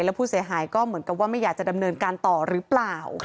แล้วผู้เสียหายก็เหมือนกับว่าไม่อยากจะดำเนินการต่อหรือเปล่า